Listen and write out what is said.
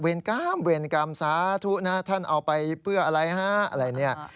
เวรกรรมสาธุนะท่านเอาไปเพื่ออะไรฮะอะไรเนี่ย